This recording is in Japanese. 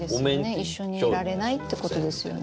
一緒にいられないってことですよね。